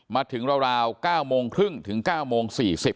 มาถึงราว๙โมงครึ่งถึง๙โมง๔๐